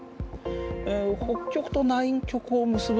北極と南極を結ぶ